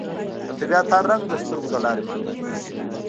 د طبیعت هر رنګ د سترګو له لارې معلومېږي